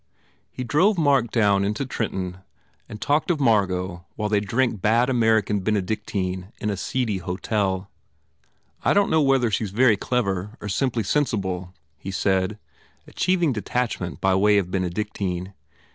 He drove Mark down into Trenton and talked of Margot while they drank bad American Benedic tine in a seedy hotel. "I don t know whether she s very clever or sim ply sensible," he said, achieving detachment by way of Benedictine.